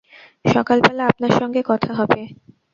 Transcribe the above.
সকালবেলা আপনার সঙ্গে কথা হবে!